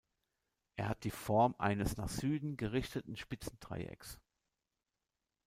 Er hat die Form eines nach Süden gerichteten spitzen Dreiecks.